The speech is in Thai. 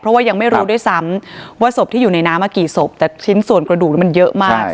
เพราะว่ายังไม่รู้ด้วยซ้ำว่าศพที่อยู่ในน้ำกี่ศพแต่ชิ้นส่วนกระดูกมันเยอะมาก